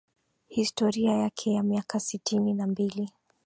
historia yake ya miaka sitini na mbili